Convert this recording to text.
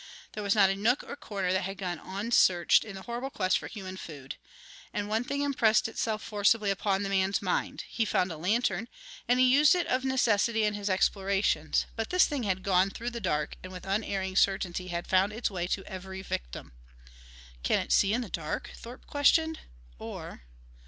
There was not a nook or corner that had gone unsearched in the horrible quest for human food. And one thing impressed itself forcibly upon the man's mind. He found a lantern, and he used it of necessity in his explorations, but this thing had gone through the dark and with unerring certainty had found its way to every victim. "Can it see in the dark?" Thorpe questioned. "Or...."